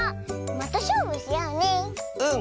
うん。